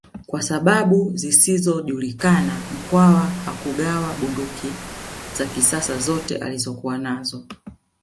Kwa sababu zisizojulikana Mkwawa hakugawa bunduki za kisasa zote alizokuwa nazo